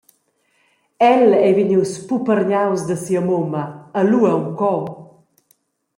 El ei vegnius puppergnaus da sia mumma, e lu aunc co.